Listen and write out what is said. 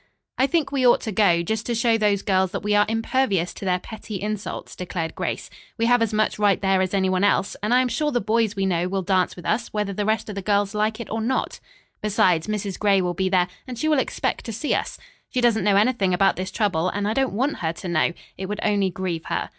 "I think we ought to go, just to show those girls that we are impervious to their petty insults," declared Grace. "We have as much right there as any one else, and I am sure the boys we know will dance with us whether the rest of the girls like it or not. Besides, Mrs. Gray will be there, and she will expect to see us. She doesn't know anything about this trouble, and I don't want her to know. It would only grieve her.